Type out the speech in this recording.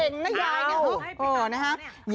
นะยาย